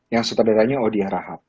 yang sutradaranya odia rahab